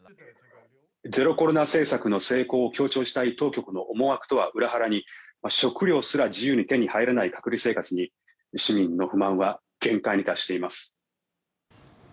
ゼロコロナ政策を成功させたい当局の思惑とは裏腹に食料すら自由に手に入らない隔離生活に市民の不満は限界に達しています。